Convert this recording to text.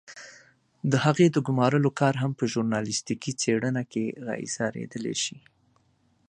د هغې د ګمارلو کار هم په ژورنالستيکي څېړنه کې را اېسارېدلای شي.